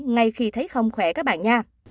ngay khi thấy không khỏe các bạn nha